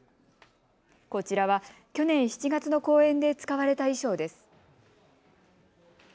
こちらは去年７月の公演で使われた衣装です。